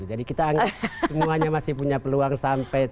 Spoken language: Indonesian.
jadi kita anggap semuanya masih punya peluang sampai tanggal berikutnya